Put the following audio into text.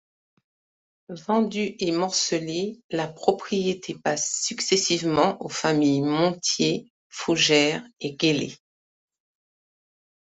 Vendue et morcelée, la propriété passe successivement aux familles Montier, Fougère et Guélé.